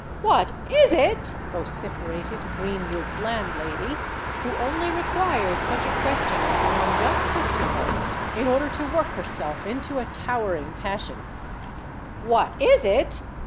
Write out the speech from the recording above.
"What is it?" vociferated Greenwood's landlady, who only required such a question as the one just put to her in order to work herself into a towering passion: "what is it?